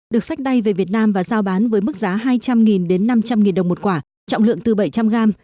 được sách tay về việt nam và giao bán với mức giá hai trăm linh đến năm trăm linh đồng một quả trọng lượng từ bảy trăm linh gram